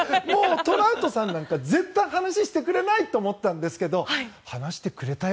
トラウトさんなんか絶対話してくれないと思っていたんですが話してくれたよ